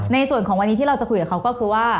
ในส่วนของวันนี้ที่เราจะคุยกับเขาก็คือว่า